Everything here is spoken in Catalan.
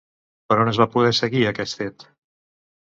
Per on es va poder seguir aquest fet?